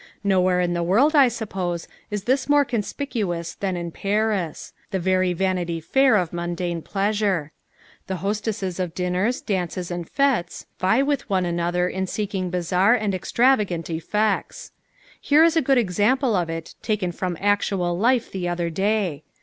Nowhere in the world, I suppose, is this more conspicuous than in Paris, the very Vanity Fair of mundane pleasure. The hostesses of dinners, dances and fêtes vie with one another in seeking bizarre and extravagant effects. Here is a good example of it taken from actual life the other day.